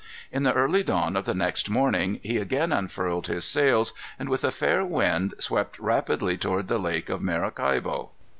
In the early dawn of the next morning he again unfurled his sails, and, with a fair wind, swept rapidly toward the Lake of Maracaibo.